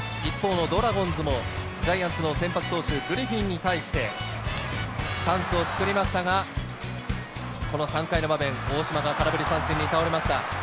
一方のドラゴンズもジャイアンツの先発投手・グリフィンに対してチャンスを作りましたが、この３回の場面、大島が空振り三振に倒れました。